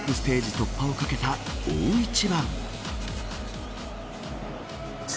突破を懸けた大一番。